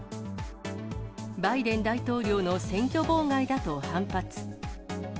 バイデン大統領の選挙妨害だと反発。